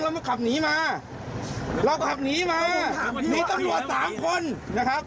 มาขับหนีมาเราก็ขับหนีมามีตำรวจสามคนนะครับ